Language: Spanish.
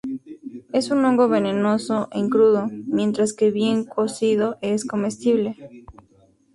Es un hongo venenoso en crudo, mientras que bien cocido es comestible.